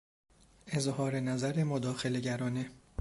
اظهارنظر مداخله گرانه